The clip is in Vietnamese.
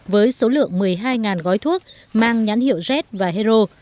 với số lượng một mươi hai gói thuốc mang nhắn hiệu red và hero